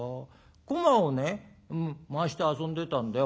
こまをね回して遊んでたんだよ。